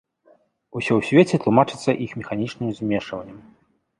Усё ў свеце тлумачыцца іх механічным змешваннем.